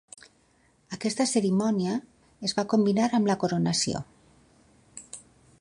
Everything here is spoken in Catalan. Aquesta cerimònia es va combinar amb la coronació.